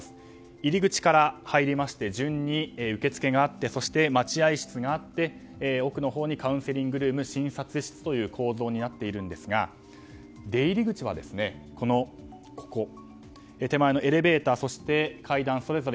入り口から入りまして順に、受け付けがあってそして、待合室があって奥のほうにカウンセリングルーム診察室という構造ですが出入り口は、手前のエレベーターそして、階段それぞれ